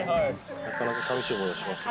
なかなか寂しい思いをしましたよ。